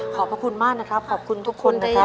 ขอบพระคุณมากนะครับขอบคุณทุกคนนะครับ